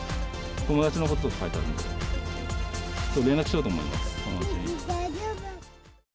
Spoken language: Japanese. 友達のことが書いてあるので、連絡しようと思います、友達に。